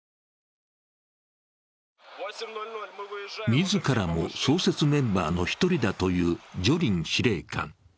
自らも創設メンバーの一人だというジョリン司令官。